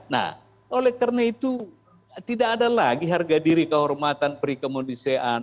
nah oleh karena itu tidak ada lagi harga diri kehormatan perikomunisiaan